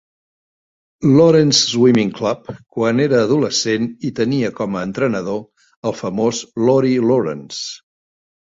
Lawrence Swimming Club quan era adolescent i tenia com a entrenador el famós Laurie Lawrence.